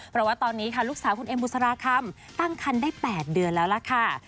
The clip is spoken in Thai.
เพราะว่าตอนนี้ค่ะลูกสาวคุณเอ็มบุษราคำตั้งคันได้๘เดือนแล้วล่ะค่ะ